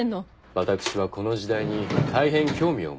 私はこの時代に大変興味を持ちました。